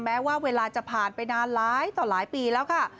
แม้ว่าเวลาจะผ่านไปนานหลายต่อหลายปีแล้วค่ะ